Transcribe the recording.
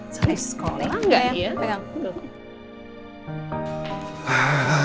sekolah gak ya